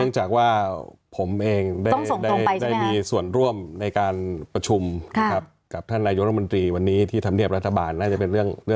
หลังจากว่าผมเองได้มีส่วนร่วมในการประชุมกับท่านนายโรคมันตรีวันนี้ที่ทำเนียบรัฐบาลน่าจะเป็นเรื่องปกติ